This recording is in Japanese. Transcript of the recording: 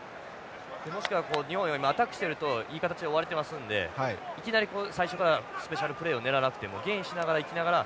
もしくは日本は今アタックしてるといい形で終われてますのでいきなり最初からスペシャルプレーを狙わなくてもゲインしながら行きながら